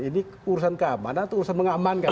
ini urusan keamanan atau urusan mengamankan